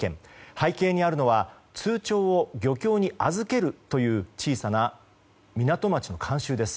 背景にあるのは通帳を漁協に預けるという小さな港町の慣習です。